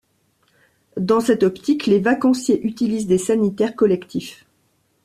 Dans cette optique, les vacanciers utilisent des sanitaires collectifs.